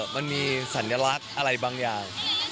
มันมีสัญลักษณ์อะไรบางอย่าง